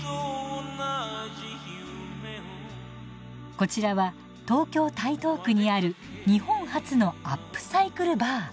こちらは東京・台東区にある日本初のアップサイクルバー。